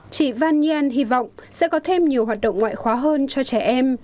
chỉ vân nhiên hy vọng sẽ có thêm nhiều hoạt động ngoại khóa hơn cho trẻ em